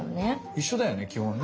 一緒だよね基本ね。